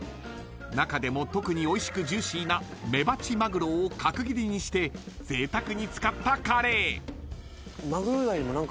［中でも特においしくジューシーなメバチマグロを角切りにしてぜいたくに使ったカレー］